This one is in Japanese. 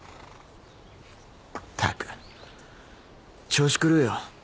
ったく調子狂うよ